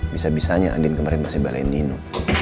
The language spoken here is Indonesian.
bisa bisanya andin kemarin masih balen nino